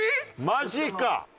マジか。